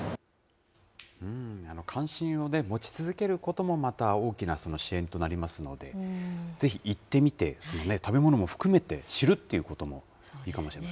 関心を持ち続けることも、また大きな支援となりますので、ぜひ行ってみて、食べ物も含めて、知るということもいいかもしれま